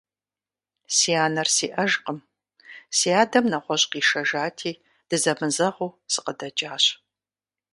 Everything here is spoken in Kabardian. Си анэр сиӀэжкъым, си адэм нэгъуэщӀ къишэжати, дызэмызэгъыу сыкъыдэкӀащ.